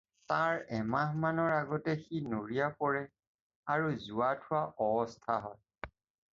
তাৰ এমাহমান আগতে সি নৰিয়া পৰে আৰু যোৱা-থোৱা অৱস্থা হয়।